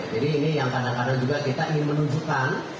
jadi ini yang kadang kadang juga kita ingin menunjukkan